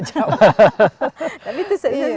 yang jelas sih tidak punya oha jawa